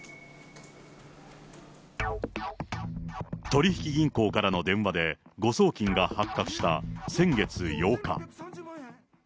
取り引き銀行からの電話で、誤送金が発覚した先月８日。